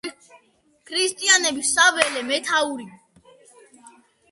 ქრისტიანების საველე მეთაური.